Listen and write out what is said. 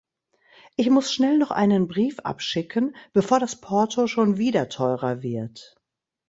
Ich muss schnell noch einen Brief abschicken, bevor das Porto schon wieder teurer wird.